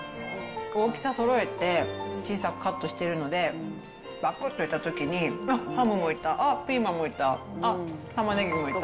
大きさそろえて、小さくカットしているので、ばくっといったときに、ハムもいた、あっ、ピーマンもいた、あっ、たまねぎもいた。